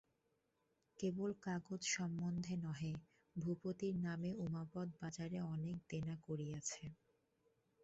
কেবল কাগজ সম্বন্ধে নহে, ভূপতির নামে উমাপদ বাজারে অনেক দেনা করিয়াছে।